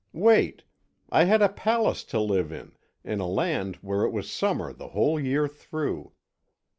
"Wait. I had a palace to live in, in a land where it was summer the whole year through.